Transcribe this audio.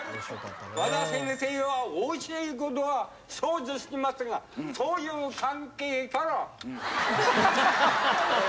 和田先生はお教えごとは想像してますがそういう関係から。